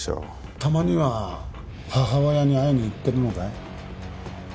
たまには母親に会いに行ってるのかい？